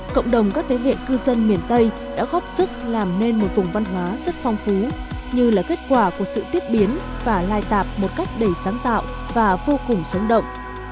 cộng đồng các thế hệ cư dân miền tây đã góp sức làm nên một vùng văn hóa rất phong phú như là kết quả của sự tiết biến và lai tạp một cách đầy sáng tạo và vô cùng sống động